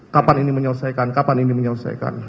kapan ini menyelesaikan kapan ini menyelesaikan